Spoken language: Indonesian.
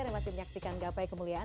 terima kasih menyaksikan gapai kemuliaan